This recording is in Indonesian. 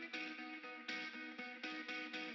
dapat jersi yang baru pak